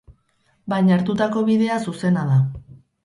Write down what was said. Baina hartutako bidea zuzena da.